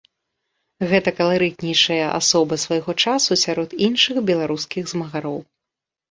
Гэта каларытнейшая асоба свайго часу сярод іншых беларускіх змагароў.